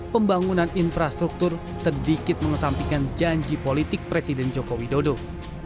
pembangunan infrastruktur sedikit mengesampingkan janji politik presiden jokowi jodoh